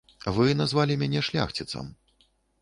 Вы назвалі мяне шляхціцам.